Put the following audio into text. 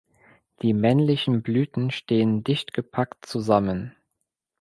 Die männlichen Blüten stehen dicht gepackt zusammen.